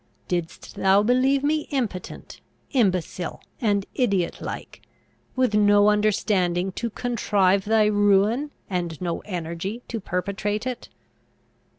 Didst thou believe me impotent, imbecile, and idiot like, with no understanding to contrive thy ruin, and no energy to perpetrate it?